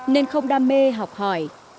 nên không đam mê học hỏi